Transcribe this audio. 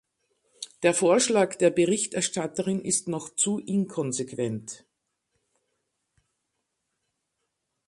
Der Vorschlag der Berichterstatterin ist noch zu inkonsequent.